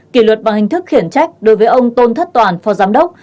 kỳ luật bằng hình thức khiển trách đối với ông tôn thất toàn phó giám đốc